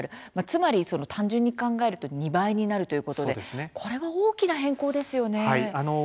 つまり単純に考えると２倍になるということでこれは大きな変更ですよね。